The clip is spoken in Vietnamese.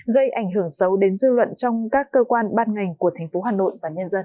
gây ảnh hưởng xấu đến dư luận trong các cơ quan ban ngành của thành phố hà nội và nhân dân